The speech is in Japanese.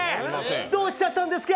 どうしちゃったんですか？